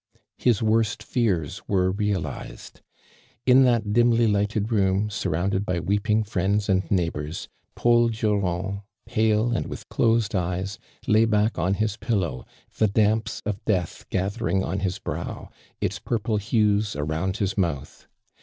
His worst fears were realized. In that dimly lighted room, surrounded by weep ing friends and neighbors^ Paul Durand, l)ale and with closed eyes, lay back on his Eillow, the damps of death gathering on his row, its purple hues around his mouth.